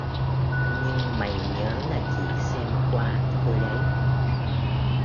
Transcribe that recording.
Nhưng mày Nhớ là chỉ xem qua thôi đấy